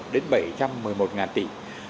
đến bảy trăm một mươi một tỷ